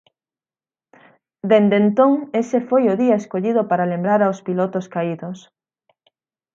Dende entón ese foi o día escollido para lembrar aos pilotos caídos.